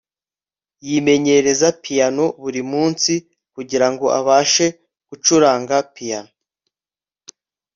yimenyereza piyano buri munsi, kugirango abashe gucuranga piyano